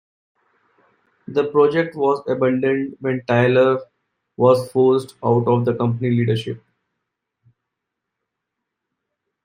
The project was abandoned when Taylor was forced out of the company leadership.